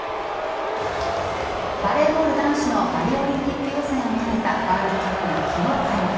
バレーボール男子のパリオリンピック予選を兼ねたワールドカップが昨日開幕。